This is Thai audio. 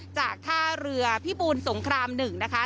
จากท่าเรือพิบูลสงคราม๑นะคะ